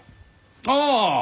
ああ！